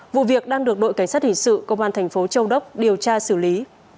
vụ việc đang được đội cảnh sát hình sự công an thành phố châu đốc điều tra xử lý